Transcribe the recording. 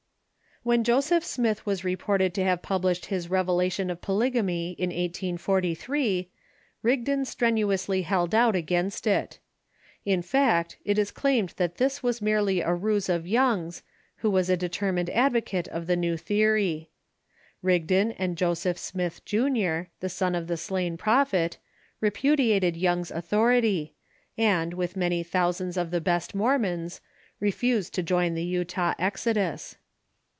When Joseph Smith was reported to have published his revelation of polygamy in 1843, Rigdon strenuously held out . o. .„... against it. In fact, it is claimed that this was A Rival Claimant ^ e ^ r ,^ merely a ruse of loung s, Avho was a determined advocate of the new theory. Rigdon and Joseph Smith, Jr., the son of the slain prophet, repudiated Young's authority, and, with many thousands of the best Mormons, refused to join the Utah exodus.